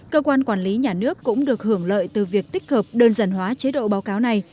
cơ quan quản lý nhà nước cũng được hưởng lợi từ việc tích hợp đơn giản hóa chế độ báo cáo này